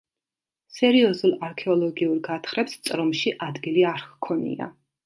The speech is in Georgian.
სერიოზულ არქეოლოგიურ გათხრებს წრომში ადგილი არ ჰქონია.